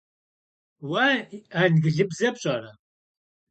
Vue angılıbze pş'ere?